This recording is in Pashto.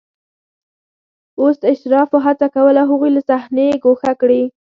اوس اشرافو هڅه کوله هغوی له صحنې ګوښه کړي